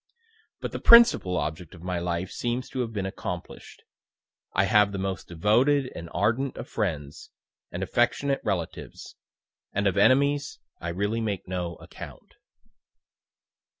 But the principal object of my life seems to have been accomplish'd I have the most devoted and ardent of friends, and affectionate relatives and of enemies I really make no account."